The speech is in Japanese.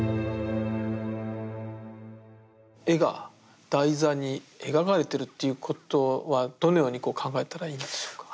絵が台座に描かれてるっていうことはどのように考えたらいいんでしょうか。